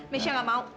mesya enggak mau